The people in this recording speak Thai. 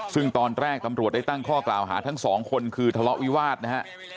ซึ่งตอนแรกตำรวจได้ตั้งข้อกล่าวหาทั้งสองคนคือทะเลาะวิวาสนะฮะ